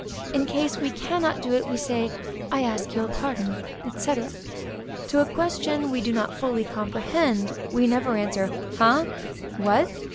In case we cannot do it, we say, I ask your pardon, &c. To a question which we do not fully comprehend, we never answer, _Ha? What?